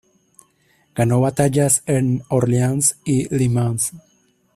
Ganó batallas en Orleans y Le Mans.